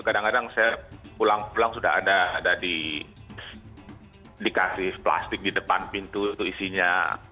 kadang kadang saya pulang pulang sudah ada dikasih plastik di depan pintu itu isinya